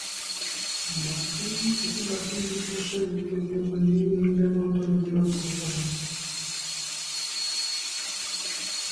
এটি মার্কিন যুক্তরাষ্ট্রের উত্তর-পূর্বে নিউ ইংল্যান্ড অঞ্চলের বৃহত্তম শহর।